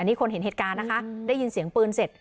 นี่คนเห็นเหตุการณ์นะคะได้ยินเสียงปืนเสร็จ